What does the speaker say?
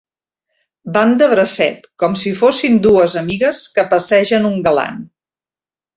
Van de bracet, com si fossin dues amigues que passegen un galant.